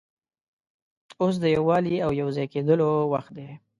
اوس د یووالي او یو ځای کېدلو وخت دی.